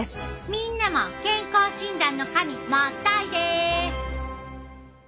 みんなも健康診断の紙持っといで。